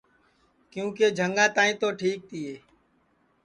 کیونکہ جھنگا تک تو ٹھیک تیے